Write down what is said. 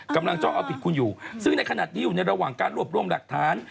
กำลังจ้องเอาผิดคุณอยู่ซึ่งในขณะที่อยู่ระหว่างการรวบร่วมรักฐาน